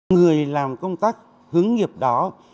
người làm công tác hướng nghiệp đó